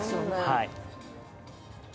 はい。